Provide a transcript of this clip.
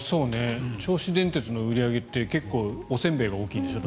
銚子電鉄の売り上げって結構、おせんべいが大きいんでしょ。